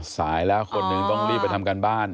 สายแล้วคนหนึ่งต้องรีบไปทำการบ้าน